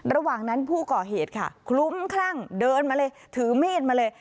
ระหว่างนั้นผู้ก่อเหตุค่ะคลุ้มคลั่งเดินมาเลยถือมีดมาเลย